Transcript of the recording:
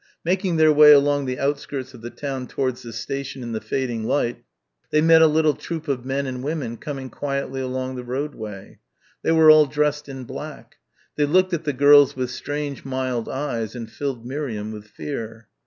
Making their way along the outskirts of the town towards the station in the fading light they met a little troop of men and women coming quietly along the roadway. They were all dressed in black. They looked at the girls with strange mild eyes and filled Miriam with fear.